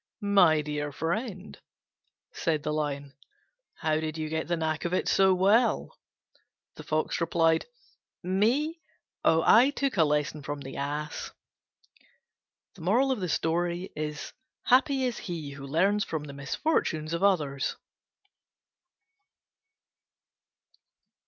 "My dear friend," said the Lion, "how did you get the knack of it so well?" The Fox replied, "Me? Oh, I took a lesson from the Ass." Happy is he who learns from the misfortunes of others.